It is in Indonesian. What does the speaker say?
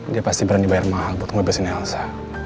dia pasti berani bayar mahal buat ngebebasin elsa